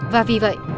và vì vậy